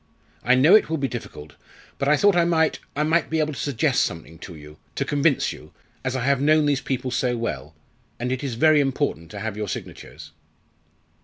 I know it will be difficult, but I thought I might I might be able to suggest something to you to convince you as I have known these people so well and it is very important to have your signatures."